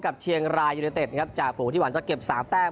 กับเชียงรายยูเนเต็ดนะครับจากฝูงที่หวังจะเก็บ๓แต้ม